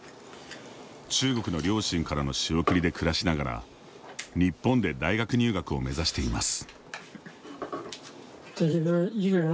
中国の両親からの仕送りで暮らしながら日本で大学入学を目指しています。